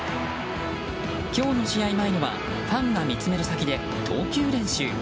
今日の試合前にはファンが見つめる先で投球練習。